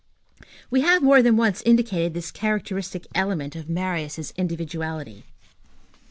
We have more than once indicated this characteristic element of Marius' individuality.